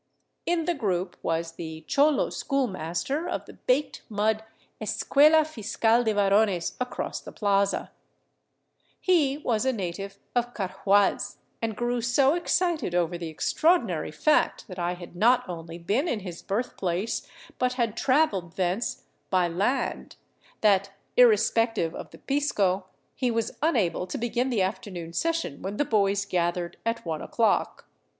In the group was the cholo school master of the baked mud Es cuela Fiscal de Varones across the plaza. He was a native of Car 345 VAGABONDING DOWN THE ANDES huaz, and grew so excited over the extraordinary fact that I had not only been in his birthplace but had traveled thence " by land " that, irrespective of the pisco, he was unable to begin the afternoon session when the boys gathered at one o'clock.